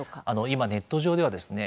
今ネット上ではですね